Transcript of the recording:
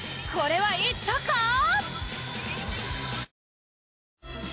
これはいったか？